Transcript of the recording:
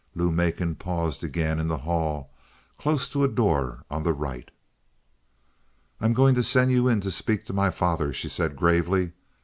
Lou Macon paused again in the hall, close to a door on the right. "I'm going to send you in to speak to my father," she said gravely.